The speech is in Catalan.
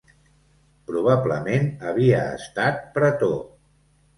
Probablement havia estat pretor.